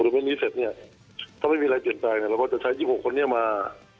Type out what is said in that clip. ถูกได้ไม่เสร็จเนี่ยถ้าไม่มีอะไรเปลี่ยนใจนะเราก็จะใช้๑๖คนเนี่ยมา